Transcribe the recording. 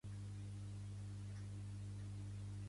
La meitat de metres d'eslora del que deia abans d'hora.